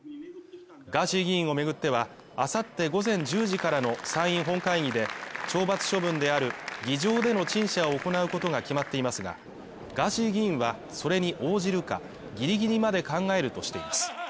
ガーシー議員を巡っては、明後日午前１０時からの参院本会議で懲罰処分である議場での陳謝を行うことが決まっていますが、ガーシー議員はそれに応じるか、ギリギリまで考えるとしています。